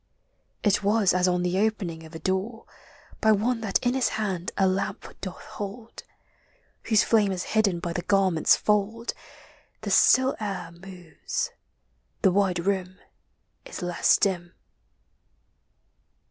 It was as on the opening of a door LIGHT: DAY: NIGHT. 39 By one that in his hand a lamp doth hold, Whose flame is hidden by the garment's fold — The still air moves, the wide room is less dim.